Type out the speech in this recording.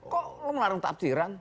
kok lo ngelarang tafsiran